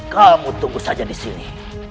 kamu tunggu saja disini